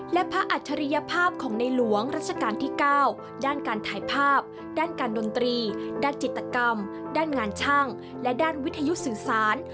และพระอัจฉริยภาพของในหลวงรัชกาลที่๙ด้านการถ่ายภาพด้านการดนตรีด้านจิตกรรมด้านงานช่างและด้านวิทยุสื่อสาร